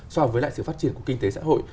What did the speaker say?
so với lại sự phát triển của kinh tế xã hội